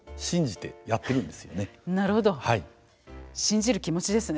なるほど信じる気持ちですね。